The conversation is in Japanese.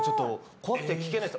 怖くて聞けないです。